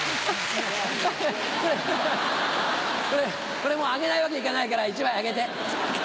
これあげないわけにいかないから１枚あげて。